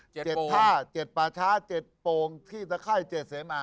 เจ็ดท่าเจ็ดป่าช้าเจ็ดโป่งที่ตะไข้เจ็ดเสมา